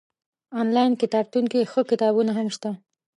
انلاين کتابتون کي ښه کتابونه هم شته